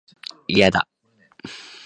いやだ